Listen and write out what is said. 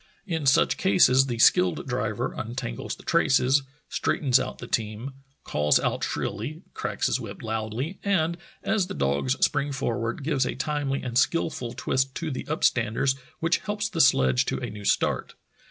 In such cases the skilled driver un tangles the traces, straightens out the team, calls out shrilly, cracks his whip loudly, and, as the dogs spring forward, gives a timely and skilful twist to the up standers which helps the sledge to a new start.